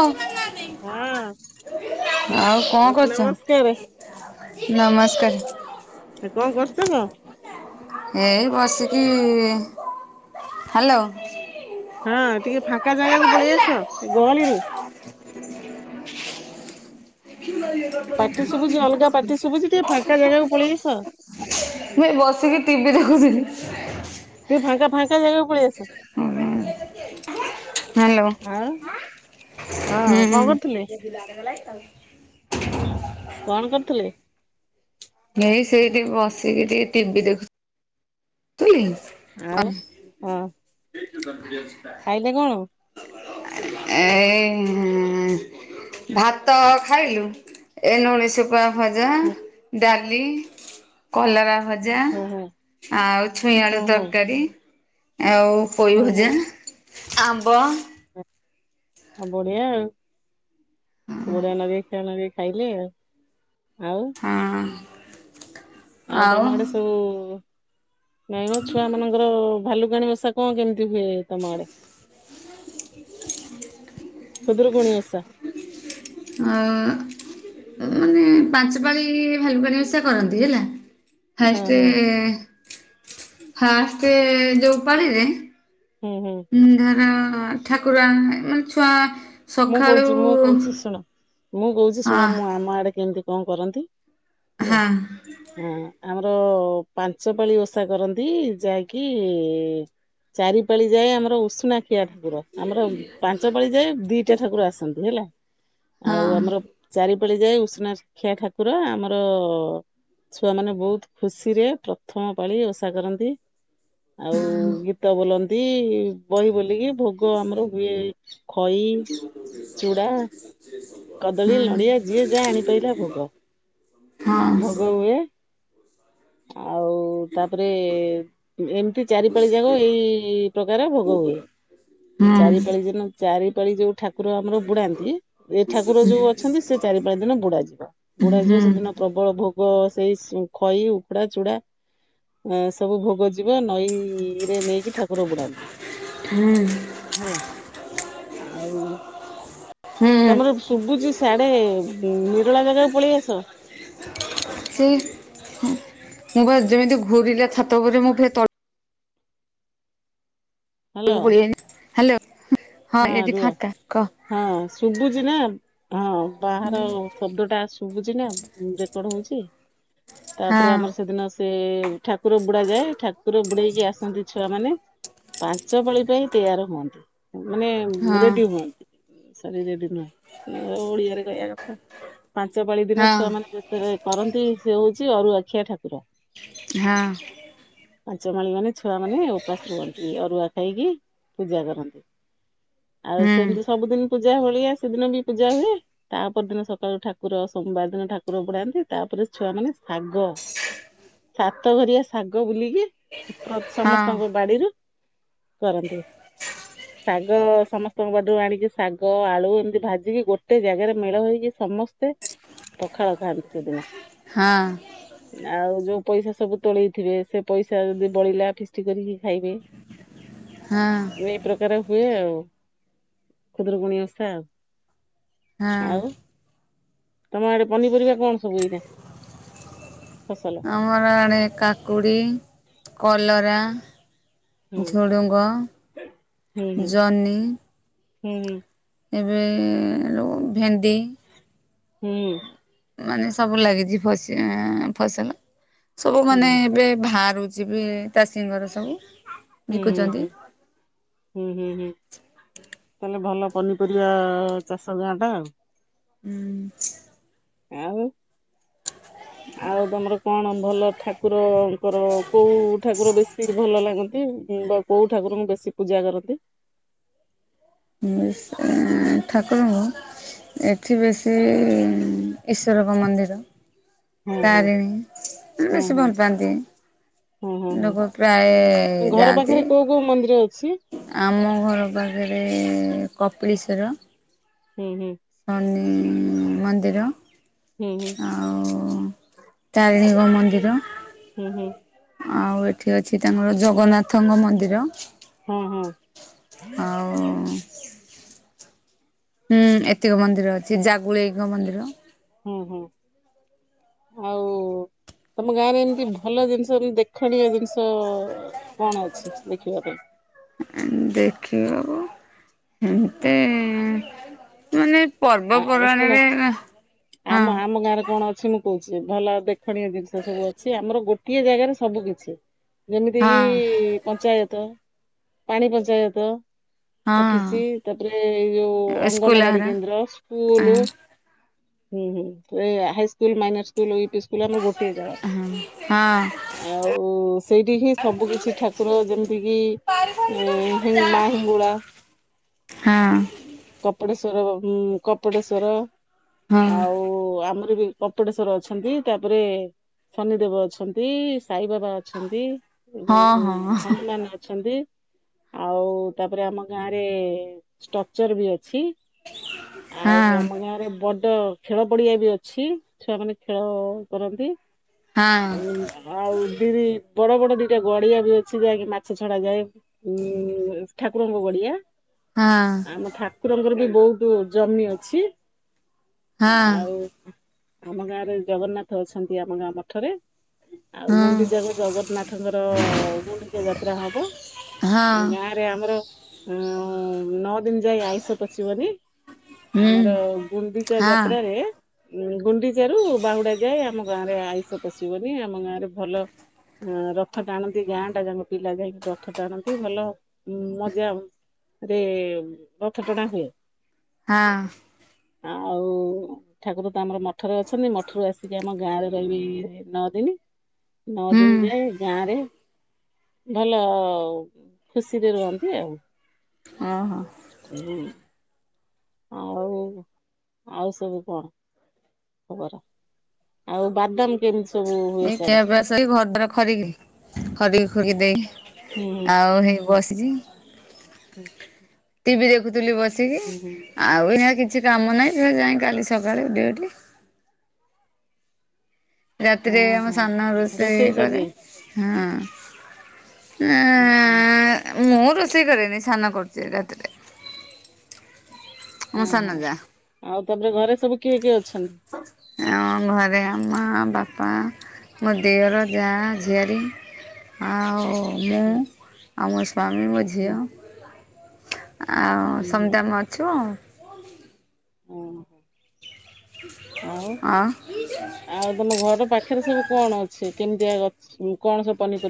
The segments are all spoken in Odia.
ଅ ହଁ [unintelligible] ଆଉ କଣ କରୁଛ? ନମସ୍କାର ନମସ୍କାର । [unintelligible] ଏ କଣ, କରୁଛ କଣ? ଏଇଇ ବସିକି, ହାଲୋ ହଁ ଟିକେ ଫାଙ୍କା ଜାଗାକୁ ପଳେଇ ଆସ, ଏ ଗହଳିରୁୁ [unintelligible] ପାଟି ଶୁଭୁଛି ଅଲଗା ମୁଁ ପାଟି ଶୁଭୁଛି ଟିକେ ଫାଙ୍କା ଏ ଜାଗାକୁ ପଳେଇ ଆସ ବସିକି ଟିଭିି ଦେଖୁଥିଲି । ତୁ ଫାଙ୍କା, ଫାଙ୍କା ଜାଗାକୁ ପଳେଇ ଆସ । ହଁ ଆଉ ହାଲୋ ହଁ ହଁ କଣ କରୁଥିଲେ ଆଉ [unintelligible] କଣ କରୁଥିଲେ? ନାଇ ସେଇଠି ବସିକି ଟିକେ ଟିଭି ଦେଖୁଥିଲି । ହୁ [unintelligible] ଆଉ ହଁ । [unintelligible] ଖାଇଲେ କଣ? ଏ ହ [unintelligible] ଭାତ ଖାଇଲୁ, ଏ ନୁଣି ଶୁ ଶୁକୁଆ ଭଜା, ହୁଁ ଡାଲି, କଲରା ଭଜା ହୁଁ ହୁଁ। ଆଉ ଛୁଇଁ ଆଳୁ ହୁଁ ହୁଁ ତରକାରୀ । ଆଉ ହୁଁ ହୁଁ ପୋଇଭଜା, ଆମ୍ବ ଆଉ ବଢିଆ ଆଉ, ବଢିଆ ନବ ଖିଆ ନବ ଖାଇଲି ଆଉ ଆଉ ହଁ। ଆଉ ତମଆଡେ ସବୁ ନାଇଁ ମୋ ଛୁଆ ମାନଙ୍କର ଭାଲୁକାଣୀ ବସା କଣ କେମିତି ହୁଏ, ତମ ଆଡେ? [unintelligible] ଖୁଦୁରୁକୁଣୀ ଓଷା । ଆ ମାନେ ପାଞ୍ଚ ପାଳି ଭାଲୁକୁଣି ଓଷା କରନ୍ତି, ହେଲା ହଁ ଫାଷ୍ଟରେ, ହଁ ଫାଷ୍ଟରେ ଯୋଉ ପାଳିରେ ହୁଁ ହୁଁ ଧର ଠାକୁର ମାନେ ଛୁଆ ମୁଁ ସକାଳୁ କହୁଛି ମୁଁ କହୁଛି ଶୁଣ ମୁଁ କହୁଛି ଶୁଣ ହଁ -ମୁଁ ଆମ ଆଡେ କେମିତି କଣ କରନ୍ତି? ହେଲା ହଁ ଆମର ପାଞ୍ଚ ପାଳି ଓଷା କରନ୍ତି, ଯାହାକି ଚାରି ପାଳି ଯାଏ ଆମର ଉଷୁନା ଖିଆ ଠାକୁର, ଆମର ପାଞ୍ଚ ପାଳି ଯାଏ ଦି [unintelligible] ହେଲା ଆଉ ହଁ ଆମର ଚାରି [unintelligible] ଯାଏ ଉଷୁନା ଖିଆ ଠାକୁର ଆମର ଛୁଆମାନେ ବହୁତ୍ ଖୁସି ରେ ପ୍ରଥମ ପାଳି ଓଷା କରନ୍ତି। ଆଉ ହଁ ଗୀତ ବୋଲନ୍ତି ବହି ବୋଲ [unintelligible] ଭୋଗ ଆମର ହୁଏ ଖଇ, ଚୁଡ଼ା। କଦଳୀ, ହଁ ନଡ଼ିଆ ଯିଏ ଯାହା ଆଣିପାରିଲା ଭୋଗ ହଁ ଭୋଗ ହୁଏ। ଆଉ ତାପରେ ଏମିତି ଚାରିପାଳି ଯାକ ଏଇ ପ୍ରକାର ଭୋଗ ହୁଏ। ହୁଁ ଚାରିପାଳି ଦିନ ଚାରିପାଳି ଯୋଉ ଠାକୁର ଆମର ବୁଡାନ୍ତି। ସେ ଠାକୁର ଯୋଉ ଅଛନ୍ତି ସେ ଚାରି ପାଞ୍ଚ ଦିନ ବୁଡା ଯିବ ବୁଡା ଯିବ ହୁଁ ସେଦିନ ପ୍ରବଳ ଭୋ ସେଇ ଖଇ, ଉକୁୁଡା, ଚୁଡ଼ା। ସବୁ ଭୋଗ ଯିବ ନଈରେ ନେଇକି ଠାକୁର ବୁଡାନ୍ତି। ହୁଁ ହେଲା ଆଉ ହୁଁ ତମର ଶୁଭୁଛି ସିଆଡେ ନିରଳା ଜାଗାକୁ ପଳେଇ ଆସ। ସେ ମୁଁ ବା ଯେମିତି ଘୁରିଲା ଛାତ ଉପରେ ମୁଁ ହ୍ୟାଲୋ [unintelligible] ହ୍ୟାଲୋ। ହଁ [unintelligible] ଫାଙ୍କା। କହ ହଁ ଶୁଭୁଛି ନା ହଁ ବାହାର ଶବ୍ଦ ଟା ଆସୁ ଶୁଭୁଛି ନା ରେକର୍ଡ ହଉଛି ହଁ ତାପରେ ଆମର ସେଦିନ ସେ ଠାକୁର ବୁଡା ଯାଏ ଠାକୁର ବୁଡ଼େଇ କି ଆସନ୍ତି ଛୁଆମାନେ। ପାଞ୍ଚପାଳି ପାଇଁ ତେୟାର ହୁଅନ୍ତି ମାନେ ହଁ ରେଡ଼ି ହୁଅନ୍ତି। [unintelligible] ଓଡ଼ିଆରେ କହିବା କଥା। ପାଞ୍ଚ ପାଳି ଦିନ ଛୁଆ ହଁ ମାନେ ଯେତେଳେ କରନ୍ତି ସେ ହଉଛି ଅରୁଆଖିଆ ଠାକୁର। ହଁ। ପାଞ୍ଚପାଳି ମାନେ ଛୁଆ ମାନେ ଉପାସ ରୁହନ୍ତି ଅରୁଆ ଖାଇକି ପୂଜା କରନ୍ତି। ଆଉ ହୁଁ ସେମିତି ସବୁଦିନ ପୂ ପୂଜା ଭଳିଆ ସେଦିନ ବି ପୂଜା ହୁଏ ତାପର ଦିନ ସକାଳୁ ଠାକୁର ସୋମବାର ଦିନ ଠାକୁର ବୁଡାନ୍ତି ତାପରେ ଛୁଆ ମାନେ ଶାଗ ସାତଘରିଆ ଶାଗ ବୁଲିକି ହଁ ସମସ୍ତଙ୍କ ବାଡ଼ିରୁ କରନ୍ତି। ଶାଗ ସମସ୍ତଙ୍କ ବାଡ଼ିରୁ ଆଣିକି ଶାଗ ଆଳୁ ଏମିତି ଭାଜିକି ଗୋଟେ ଜାଗାରେ ମେଳ ହେଇକି ସମ ସମସ୍ତେ ପଖାଳ ଖାଆନ୍ତି ସେଦିନ ହଁ ଆଉ ଯୋଉ ପଇସା ସବୁ ତୋଳେଇଥିବେ ସେ ପଇସା ଯଦି ବଳିଲା ଫିଷ୍ଟି କରିକି ଖାଇବେ। ହଁ। [unintelligible] ହୁଏ ଆଉ ଖୁଦୁରୁକୁୁଣୀ ଓଷା । ହଁ। ତମ ଆଡ଼େ ପନିପରିବା କଣ ସବୁ ଏଇନେ? ଆମର ଆଡେ କାକୁଡ଼ି, କଲରା ହୁଁ ଝୁଡ଼ଙ୍ଗ, ହୁଁ ଜହ୍ନି। ହୁଁ ହୁଁ। ଏବେ [unintelligible] ଭେଣ୍ଡି ହୁଁ। ମାନେ ସବୁ ଲାଗିଛି ଫ ଫସଲ ସବୁ ହୁଁ ମାନେ ଏବେ ବାହାରୁ ଯିବେ ଚାଷୀଙ୍କର ସବୁ ହୁଁ ହୁଁ ବିକୁଛନ୍ତି ହୁଁ ହୁଁ ହୁଁ ହୁଁ ତାହଲେ ଭଲ ପନିପରିବା ଚାଷ ଗାଁ ଟା ଆଉ। ହୁଁ। ଆଉ ଆଉ ତମର କଣ ଭଲ ଠାକୁର ତାଙ୍କର କୋଉ ଠାକୁର ବେଶୀ ଭଲ ଲାଗନ୍ତି? [unintelligible] କୋଉ ଠାକୁରଙ୍କୁ ବେଶୀ ପୂଜା କରନ୍ତି? [unintelligible] ଠାକୁର ଙ୍କୁ ଏଠି ବେଶୀ-ଇ ଈଶ୍ୱରଙ୍କ ମନ୍ଦିର ହୁଁ ହୁଁ ତାରିଣୀ ହୁଁ ବେଶୀ ହୁଁ ଭଲ ପାଆନ୍ତି। ହୁଁ ହୁଁ ଲୋକ ପ୍ରାୟ ହୁଁ ଘର ଯାଆନ୍ତି। ପାଖରେ କୋଉ କୋଉ ମନ୍ଦିର ଅଛି? ଆମ ଘର ପାଖରେ କପିଳିଶ୍ୱର। ହୁଁ, ହୁଁ। ଶନି-ଇ ମନ୍ଦିର ହୁଁ ହୁଁ ଆଉ ଉଁ ତାରିଣିକ ମନ୍ଦିର ହୁଁ, ହୁଁ। ଆଉ ଏଠି ଅଛି ସେ ତାଙ୍କର ଜଗନ୍ନାଥଙ୍କ ମନ୍ଦିର ହଁ ହଁ ଆଉ ହୁଁ, ଏତିକ ମନ୍ଦିର ଅଛି। ଜାଗୁଳେଇଙ୍କ ମନ୍ଦିର। ହୁଁ ହୁଁ! ଆଉ ତମ ଗାଁରେ ଏମିତି ଭଲ ଜିନିଷେ ଦେଖ ଖଡିଆ ଜିନିଷ କଣ ଅଛି ଦେଖିବା ପାଇଁ? ନା, ହେମତି ମାନେ ଆ, ଶୁଣ ପର୍ବପର୍ବାଣିରେ ଶୁଣ ହଁ ଆମ ଆମ ଗାଁରେ କଣ ଅଛି? ମୁଁ କହୁଛି, ଭଲ ଦେଖଣୀୟ ଜିନିଷ ସବୁ ଅଛି। ଆମର ଗୋଟିଏ ଜାଗାରେ ସବୁ କିଛି । ଯେମିତି-ଇ ହଁ କିି ପଞ୍ଚାୟତ, ପାଣି ପଞ୍ଚାୟତ ଅଫିସି, ହଁ ତାପରେ ଏଇ ଯୋଉ ସ୍କୁଲ ଅଙ୍ଗନବାଡି ହରା କେନ୍ଦ୍ର, ହଁ ସ୍କୁଲୁ ହୁଁ ହୁଁ, ଏ high school, minor school, U P school ଆମ ଗୋଟିଏ ହଁ ଜାଗା। ଆଉ ସେଇଠି ହିଁ, ସବୁ କିଛି ଠାକୁର ଯେମିତି କିି ଏଁ ମା ହିଙ୍ଗୁଳା, ହଁ କପଟେଶ୍ୱ ତ୍ବରବ ଉମ୍ କପଟେଶ୍ଵର ହଁ ଆଉ, ଆମର ବି କପଟେଶ୍ଵର ଅଛନ୍ତି, ତା'ପରେ ଶନି ଦେବ ଅଛନ୍ତି, ସାଇବାବା ଅଛନ୍ତି, ହଁ ହଁ ହନୁମାନ ଅଛନ୍ତି। ଆଉ ତା'ପରେ ଆମ ଗାଁ ରେ ଷ୍ଟକ୍ଚର ବି ଅଛି। ଆଉ, ହଁ ଆମ ଗାଁ ରେ ବ ଡ଼ ଖେଳ ପଡିଆ ବି ଅଛି। ଛୁଆ ମାନେ ଖେଳ କରନ୍ତି। ହଁ ଉ ଆଉ, ଦିଦି ବଡ ବଡ ଦି ଗୋଟେ ଗଡିଆ ବି ଅଛି, ଯାହାକି ମାଛ ଛଡା ଯାଏ ଉଁ ଠାକୁରଙ୍କ ଗଡିଆ ହଁ ଆମ ଠାକୁରଙ୍କର ବି ବହୁତ ଜମି ଅଛି। ହଁ ଆଉ ଆମ ଗାଁରେ ଜଗନ୍ନାଥ ଅଛନ୍ତି, ଆମ ଗାଁ ମଠରେ। ଆଉ ହଁ ଗୁଣ୍ଡିଚାକୁ ଜଗନ୍ନାଥଙ୍କର ଗୁଣ୍ଡିଚା ଯାତ୍ରା ହବ। ହଁ ଗାଁରେ ଆମର ଅ ନଅ ଦିନ ଯାଇ ଆଇଷ ପସିବନି। ହୁଁ ଆମର ଗୁଣ୍ଡିଚା ହଁ ଯାତ୍ରାରେ ଗୁଣ୍ଡିଚାରୁ ବାହୁଡା ଯାଏ, ଆମ ଗାଁ ରେ ଆଇୁଷ ପଶିବନି, ଆମ ଗାଁ ରେ ଭଲ ହ ରଥ ଟାଣନ୍ତି ଗାଁ ଟା ଯାଙ୍କ ପିଲା ଯାଇକି ରଥ ଟାଣନ୍ତି। ଭଲ ଉଁ ମଜା ରେ ରଥ ଟଣା ହୁଏ। ହଁ! ଆଉ! ଠାକୁର ତ ଆମର ମଠରେ ଅଛନ୍ତି। ମଠରୁ ଆସିକି ଆମ ଗାଁରେ ରହିବି, ନଅ ଦିନି। ନ ହୁଁ ଦିନ୍ ଯାଏଁ ଗାଁ, ରେ ଭଲ ଖୁସିରେ ରୁହନ୍ତି ଆଉ । ଓ ହୋ! ହୁଁ! ଆଉ, ଆଉ ସବୁ କଣ? ଖବର, ଆଉ ବାଦାମ କେମିତ୍ ଏଇ ଖିଆପିଆ ସଇ ଘର ଦାର ଖରିକିବି। ଖରିକି ଖୁରିକି ଦେଇ, ହୁଁ ଆଉ ହେଇ ବସିଚି। ହୁଁ! ଟିଭି ଦେଖୁଥିଲି ବସିକି, ହୁଁ ହୁଁ ଆଉ ଏଇନା କି କିଛି କାମ ନାହିଁ ସେ ଯାଇ କାଲି ସକାଳେ ଡ଼ିଉଟି ରାତିରେ ହୁଁ ହଁ ଆମ ସାନ ହଁ। ରୋଷେଇ କରେ ସରିଯାଇଛି ହଁ। ଓହୋ। ମୁଁ ରୋଷେଇ କରେନି ସାନ କରୁଚି ରାତିରେ। ମୋ ସାନ ଓହୋ ଯା ଆଉ ତାପରେ ଘରେ ସବୁ କିଏ କିଏ ଅଛନ୍ତି? ଅ ଘରେ ଆମ ମା, ବାପା, ମୋ ଦିଅର, ଜାଆ, ଝିଆରୀ ଆଉ ମୁଁ ହୁଁ ଆଉ ମୋ ସ୍ୱାମୀ ମୋ ହୁଁ ଝିଅ ଆଉ ହୁଁ ସମତ୍ ଆମେ ଅଛୁ ଆଉ। ଓଉନ ଆଉ ଆଉ ତମ ଘର ପାଖରେ ସବୁ କଣ ଅଛି? କେମିତିଆ ଗ କଣ ସେ ପନି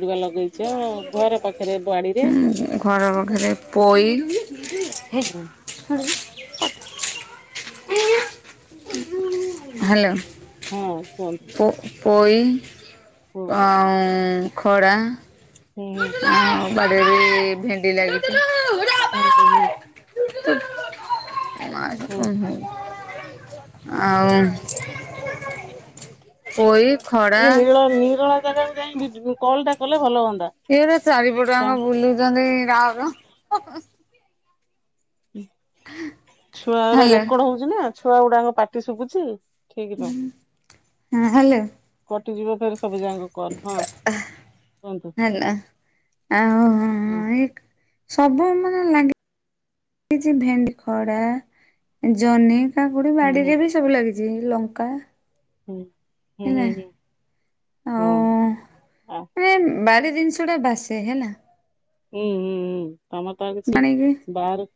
ବାଡିରେ? ଉଁ ଘର ପାଖେରେ ପୋଇ ହେ ହାଲୋ। ହଁ। କୁହନ୍ତୁ ପୋ ପୋଇ ଆଉ ଖଡା ହୁଁ ହୁଁ। ବାଡ଼ିରେ ବି ଭେଣ୍ଡି ଲାଗିଚି ହୁଁ ହୁଁ। ହୁଁ। [unintelligible] ଆଉ ପୋଇ ଖଡ଼ା ଟିକେ ନିଳ ନିରଳା ଜାଗାକୁ ଯାଇ ବିଟ କଲ ଟା କଲେ ଭଲ ହୁଅନ୍ତା। ଇଏ ତ ଛୁଆ ଚାରିପଟଆଙ୍କ ବୁଲୁଚନ୍ତି ରାଉରାଉ ଛୁଆ ଗୁଡା ହେଲେ ରେକର୍ଡ ହଉଚି ନା ଛୁଆ ଗୁଡାଙ୍କ ପାଟି ଶୁବୁଚି। ଉଁ ହଁ ହାଲୋ। ଟୁ ଯିବ ଫେରସେ କୁହନ୍ତୁ ହେଲା ଆଉ ହଁ ଇକ୍ ସବୁ ମାନେ ଲାଗି ଚି ଭେଣ୍ଡି ଖଡା ଜହ୍ନି କାକୁଡି ହୁଁ ହୁଁ ବାଡିରେ ବି ସବୁ ଲାଗିଚି ଲଙ୍କା ହୁଁ। ହୁଁ ହେଲା ହୁଁ ହୁଁ ଓ ହଁ ଆ ମାନେ ବାରି ଜିନିଷ ଟା ବାସେ ହେଲା। ହୁଁ ହୁଁ ହୁଁ ତମର ତ ଆଉ କିଛି ଜାଣିକି ବାଆରେ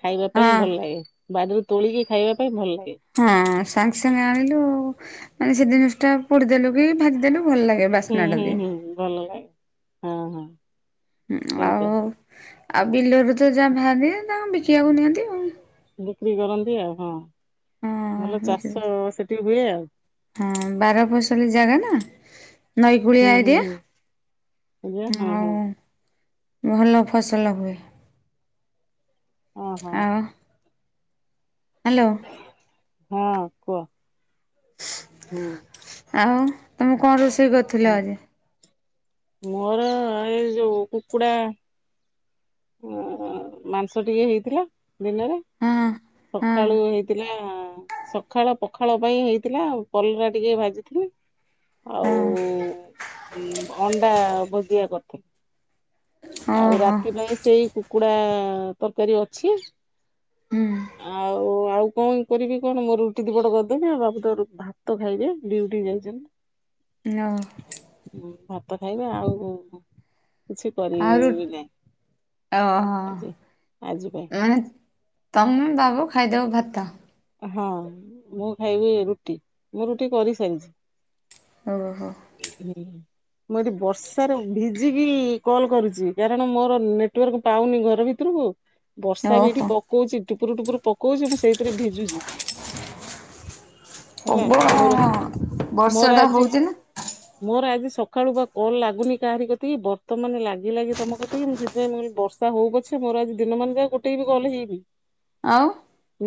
ଖାଇବା ପାଇଁ ହଁ ଭଲ ଲାଗେ ବାଡ଼ିରୁ ତୋଳିକି ଖାଇବା ପାଇଁ ଭଲ ଲାଗେ। ହଁ ସାଙ୍ଗେ ସାଙ୍ଗ ଆଣିଲୁ ମାନେ ସେ ଜିନିଷ ଟା ପୋଡିଦେଲୁ କି ଭାଜିିଦେଲୁ ଭଲ ଲାଗେ ହୁଁ ବାସ୍ନାଟା ହୁଁ ଦିଏ। ହୁଁ ଭଲ ଲାଗେ। ହଁ ହଁ। ହୁଁ ସେଇତ ଆଉ ଆଉ ବିଲରୁ ତ ଯା ବାହାରେ ତାକୁ ବିକିବାକୁ ନିଅନ୍ତି ଆଉ। ବିକ୍ରି କରନ୍ତି ଆଉ ହଁ। ଆଉ ଭଲ ହଁ ଚାଷ ସେଠିକି ହୁଏ ଆଉ। ହଁ ନଈକୂଳିଆ ହୁଁ ହୁଁ ଏରିଆ ହୁଁ ହଁ ଆଉ ହଁ ଭଲ ଫସଲ ହୁଏ। ଓହୋ। ଆଉ ହାଲୋ। ହଁ କୁଅ ହୁଁ। ଆଉ ତମେ ଙ୍କ ରୋଷେଇ କରିଥିଲ ହୁଁ। ଆଜି? ମୋର ଏ ଯୋଉ କୁକୁଡ଼ା ଅଁ ମାଂସ ଟିକେ ହେଇଥିଲା ଦିନରେ ହଁ ହଁ ସଖାଳୁ ହେଇଥିଲା ସକାଳ ପଖାଳ ପାଇଁ ହେଇଥିଲା କଲରା ଟିକେ ଭାଜିଥି ଲି ହଁ ଆଉ ଅଣ୍ଡା ଭୋଜିଆ କରଥିଲି। ଆଉ ଓହୋ ରାତି ପାଇଁ ସେଇ କୁକୁଡା ତରକାରୀ ଅଛି। ହୁଁ ଆଉ ଆଉ କଣ କରିବି କଣ ମୋ ରୁଟି ଦି'ପଟ କରିଦେବି ବାବୁ ତ ଭାତ ଖାଇବେ ଡିଉଟି ଯାଇଛନ୍ତି। ହଁ। ହୁଁ, ଭାତ ଖାଇବେ ଆଉ କିଛି ଆଉ ରୁ କରିବି ନାହିଁ। ଓହୋ ଆଜି ଆଜି ପାଇଁ ମାନେ ତମ ବାବୁ ଖାଇଦେବ ଭାତ। ହଁ ମୁଁ ଖାଇବି ରୁଟି ମୁଁ ରୁଟି କରିସାରିଛି। ଓ ହୋ। ହୁଁ। ମୁଁ ଏଠି ବର୍ଷାରେ ଭିଜିକି କଲ୍ କରୁଛି। କାରଣ ମୋର ନେଟୱାର୍କ ପାଉନି ଘର ଭିତରକୁ ବର୍ଷା ବି ଏଇଠି ଓହୋ ପକଉଛି ଟୁପୁରୁ ଟୁପୁରୁ ପକଉଛି ମୁଁ ସେଇଥିରେ ଭିଜୁଛି। ହେଲା ପ୍ରବଳ ବର୍ଷା ମୋର ଟା ଆଜି ହଉଛି ନା ମୋର ଆଜି ସକାଳୁ ବା କଲ୍ ଲାଗୁନି କାହାରି କତକି ବର୍ତ୍ତମାନ ଲାଗି ଲାଗି ତମ କତକି ମୁଁ ସେଥିପାଇଁ ମୁଁ କହିଲି ବର୍ଷା ହଉ ପଛେ ମୋର ଆଜି ଦିନ ମାନ ଯାକ ଗୋଟେ ବି କଲ ହେଇନି। ଆଉ।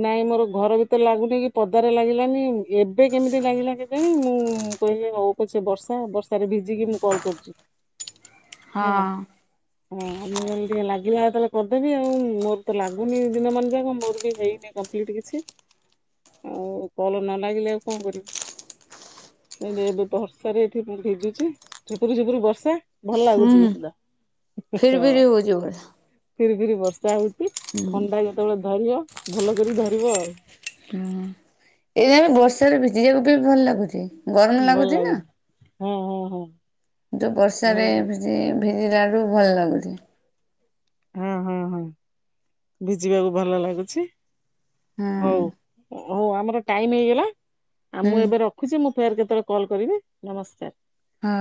ନାଇଁ ମୋର ଘର ଭିତରେ ଲାଗୁନି କି ପଦାରେ ଲାଗିଲାନି ଏବେ କେମିତି ଲାଗିଲା କେଜାଣି ମୁଁ କହିଲି ହଉ ପ ସେ ବର୍ଷା ବର୍ଷାରେ ଭିଜିକି ମୁଁ କଲ୍ କରୁଛି। ହଁ। ହେଲା। ହଁ ମୁଁ କହି ଟିକେ ଲାଗିଲା ତାହେଲେ କରିଦେବି ଆଉ ମୋର ତ ଲାଗୁନି ଦିନ ମାନଯାକ ମୋର ବି ହେଇନି ଆଉ କଲ ନ ଲାଗିଲେ ଆଉ କଣ କରିବୁ। ଏବେ ବର୍ଷା ରେ ଏଠି ମୁଁ ଭିଜୁଛି ଝୁପୁର ଝୁପୁର ବର୍ଷା। ଭଲ ଲାଗୁଛି ବି ହୁଁ ସୁଧା ହଁ ଫିରି ହଁ। ଫିରି ହଉଛି ପୁରା ଫିରି ଫିରି ବର୍ଷା ହଉଛି ଥଣ୍ଡା ଯେତେବେଳେ ଧରିବ ଭଲ କିରି ଧରିବ ଆଉ। ହଁ ଏଇ ବର୍ଷାରେ ଭିଜିବାକୁ ତମକୁ ଭଲ ଲାଗୁଛି? ଗରମ ଲାଗୁଛି ନା? ହଁ ହଁ ହଁ ଯୋଉଁ ଭଲ ବର୍ଷାରେ ଲାଗୁଛି। ହଁ ହଁ ହଁ ଭିଜିବାକୁ ଭଲ ଲାଗୁଛି। ହଁ ହଉଁ ହଉଁ ଆମର ଟାଇମ ହେଇଗଲା ଆଉ ହୁଁ ମୁଁ ଏବେ ରଖୁଛି ମୁଁ ଫେର କେତେବେଳେ କଲ୍ କରିବେ ନମସ୍କାର। ହଁ।